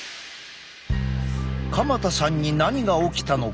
鎌田さんに何が起きたのか？